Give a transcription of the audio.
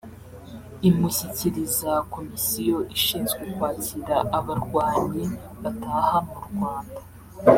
imushyikiriza komisiyo ishinzwe kwakira abarwanyi bataha mu Rwanda